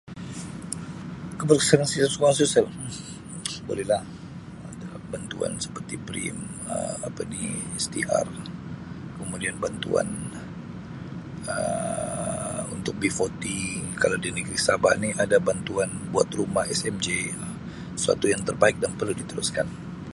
[unintelligible] "Bolehlah, ada bantuan seperti BR1M, Um apa ni STR kemudian bantuan Um untuk ""B Forty"", kalau di negeri Sabah ni ada bantuan buat rumah SMJ Um suatu yang terbaik dan perlu diteruskan."